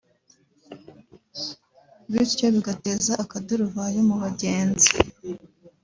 bityo bigateza akaduruvayo mu bagenzi